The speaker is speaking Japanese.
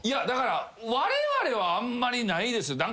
だからわれわれはあんまりないです。